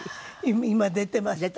今出てました。